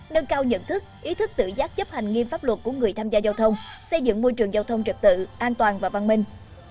nâng cao nhận thức ý thức tự giác chấp hành nghiêm pháp luật của người tham gia giao thông xây dựng môi trường giao thông trật tự an toàn và văn minh